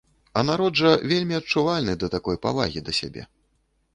А народ жа вельмі адчувальны да такой павагі да сябе.